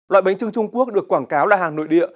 loại bánh trưng trung quốc được quảng cáo là hàng nội địa